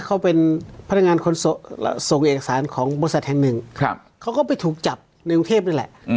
เขาเป็นพนักงานคนส่งเอกสารของบริษัทแห่งหนึ่งเขาก็ไปถูกจับในกรุงเทพนี่แหละ